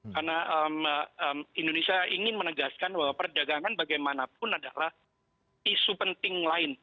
karena indonesia ingin menegaskan bahwa perdagangan bagaimanapun adalah isu penting lain